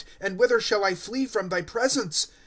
And whither shall 1 flee from thy presence